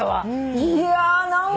いや何か。